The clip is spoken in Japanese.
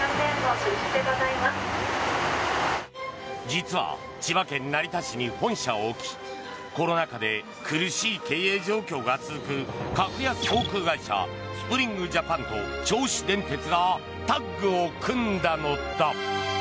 実は千葉県成田市に本社を置きコロナ禍で苦しい経営状況が続く格安航空会社スプリング・ジャパンと銚子電鉄がタッグを組んだのだ。